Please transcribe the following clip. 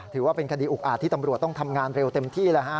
ถือว่าเป็นคดีอุกอาจที่ตำรวจต้องทำงานเร็วเต็มที่แล้วฮะ